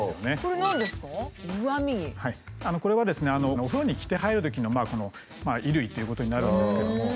これはですねお風呂に着て入るときの衣類ということになるんですけども。